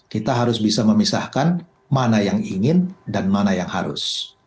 kita harus bisa memisahkan mana yang ingin dan mana yang harus